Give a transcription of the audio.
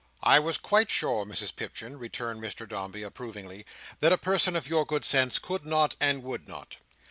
"I was quite sure, Mrs Pipchin," returned Mr Dombey, approvingly, "that a person of your good sense could not, and would not."